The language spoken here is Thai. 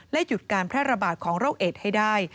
หยุดการแพร่ระบาดของโรคเอดให้ได้